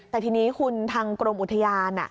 แต่ทีนี้คุณทางกรมอุทยาน